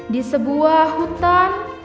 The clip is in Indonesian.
di sebuah hutan